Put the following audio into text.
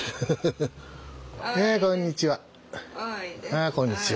あこんにちは。